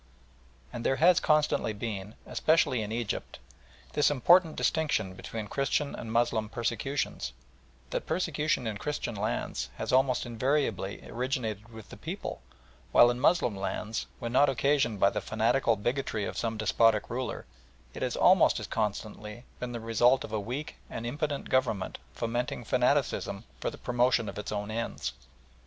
And there has constantly been, especially in Egypt, this important distinction between Christian and Moslem persecutions, that persecution in Christian lands has almost invariably originated with the people, while in Moslem lands, when not occasioned by the fanatical bigotry of some despotic ruler, it has almost as constantly been the result of a weak and impotent Government fomenting fanaticism for the promotion of its own ends.